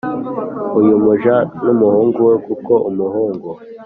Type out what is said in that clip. Uyu muja n umuhungu we kuko umuhungu